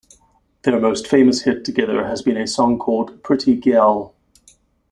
Their most famous hit together has been a song called "Pretty Gyal".